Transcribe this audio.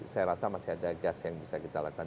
saya rasa masih ada gas yang bisa kita lakukan